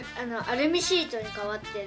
アルミシートか！